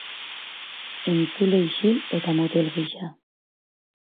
Entzule isil eta motel gisa.